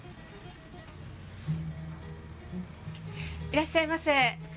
いらっしゃいませ。